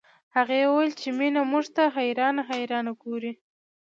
هغې وويل چې مينه موږ ته حيرانه حيرانه ګوري